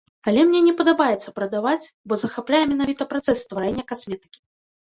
Але мне не падабаецца прадаваць, бо захапляе менавіта працэс стварэння касметыкі.